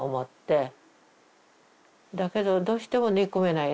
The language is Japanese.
だけどどうしても憎めないね。